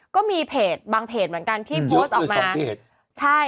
ก็มีบางเพจที่ข่าวโปรติดตามมา